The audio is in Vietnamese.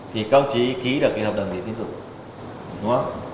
thì công chí ký được cái hợp đồng tín dụng